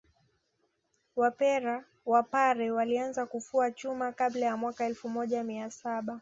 Wapare walianza kufua chuma kabla ya mwaka elfu moja mia saba